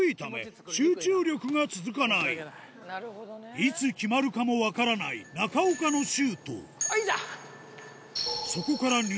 いつ決まるかも分からない中岡のシュートいった！